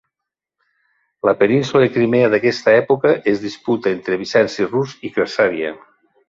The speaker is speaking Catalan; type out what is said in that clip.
La península de Crimea d'aquesta època es disputà entre Bizanci, Rus 'i Khazaria.